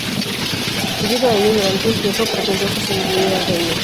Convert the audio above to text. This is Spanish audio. Debido a ello, durante un tiempo pretendió que se dividiera el reino.